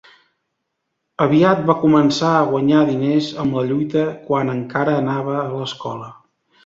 Aviat va començar a guanyar diners amb la lluita quan encara anava a l'escola.